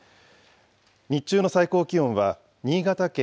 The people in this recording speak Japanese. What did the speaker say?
日中の最高気温は新潟県